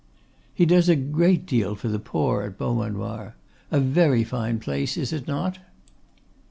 'He does a great deal for the poor at Beaumanoir. A very fine place, is it not?